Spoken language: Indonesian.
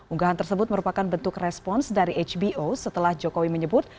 unggahan tersebut merupakan bentuk respons dari hbo setelah jokowi menyebut